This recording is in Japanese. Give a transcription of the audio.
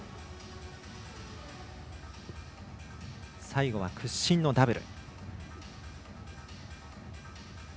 最後は屈身のダブル。